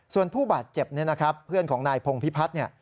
ส่วนผู้บาดเจ็บเพื่อนของนายพงษ์พิพัฒน์